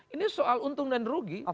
ini soal untung dan rugi